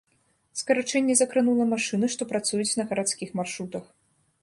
Скарачэнне закранула машыны, што працуюць на гарадскіх маршрутах.